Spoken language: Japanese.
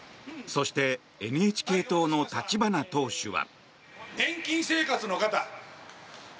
そしてＮＨＫ党の立花党首は。